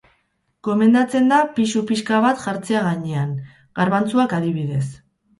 Gomendatzen da pisu pixka bat jartzea gainean, garbantzuak adibidez.